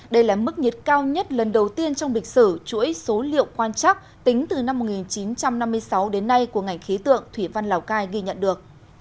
đây là mức nhiệt cao nhất lần đầu tiên trong lịch sử chuỗi số liệu quan chắc tính từ năm một nghìn chín trăm năm mươi sáu đến nay của ngành khí tượng thủy văn lào cai ghi nhận được